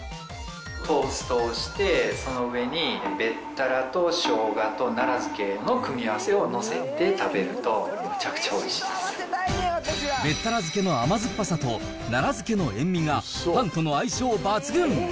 トーストをして、その上にべったらとしょうがと奈良漬けの組み合わせを載せて食べると、むべったら漬けの甘酸っぱさと、奈良漬けの塩味がパンとの相性抜群。